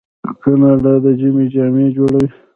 کاناډا د ژمي جامې جوړوي.